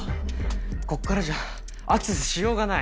ここからじゃアクセスしようがない。